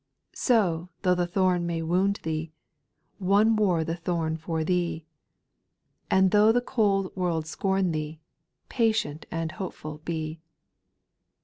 Sow, though the thorn may wound thee, Oue wore the thorn for thee ; SPIRITUAL SONGS. 417 And though the cold world scorn thee, Patient and hopeful be.